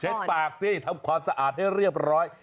ปากสิทำความสะอาดให้เรียบร้อย